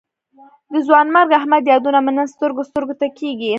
د ځوانمرګ احمد یادونه مې نن سترګو سترګو ته کېږي.